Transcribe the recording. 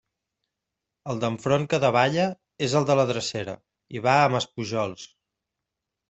El d'enfront, que davalla, és el de la Drecera, i va a Maspujols.